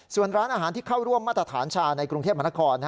ส่วนร้านอาหารที่เข้าร่วมมาตรฐานชาในกรุงเทพมหานคร